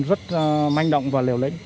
rất manh động và liều lĩnh